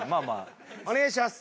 お願いします。